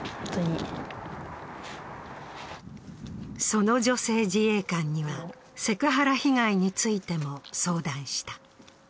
その女性自衛官には、セクハラ被害についても相談した。